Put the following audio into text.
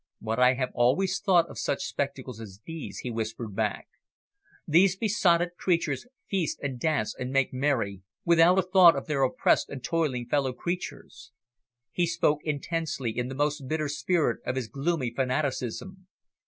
"What I have always thought of such spectacles as these," he whispered back. "These besotted creatures feast and dance and make merry, without a thought of their oppressed and toiling fellow creatures." He spoke intensely, in the most bitter spirit of his gloomy fanaticism.